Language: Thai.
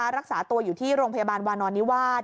รักษาตัวอยู่ที่โรงพยาบาลวานอนนิวาส